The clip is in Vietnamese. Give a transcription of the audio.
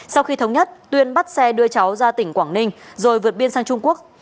sau khi thống nhất tuyên bắt xe đưa cháu ra tỉnh quảng ninh rồi vượt biên sang trung quốc